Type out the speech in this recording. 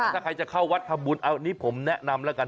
ถ้าใครจะเข้าวัดทำบุญอันนี้ผมแนะนำแล้วกัน